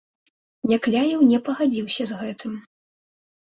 Някляеў не пагадзіўся з гэтым.